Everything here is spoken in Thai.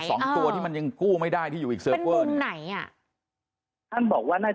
สองตัวที่มันยังกู้ไม่ได้ที่อยู่อีกเซิร์ฟเวอร์